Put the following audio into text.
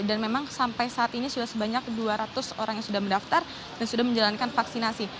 dan memang sampai saat ini sudah sebanyak dua ratus orang yang sudah mendaftar dan sudah menjalankan vaksinasi